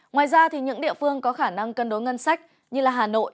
ngoài ra những địa phương có khả năng cân đối ngân sách như hà nội